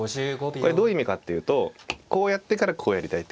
これはどういう意味かっていうとこうやってからこうやりたいってことですね。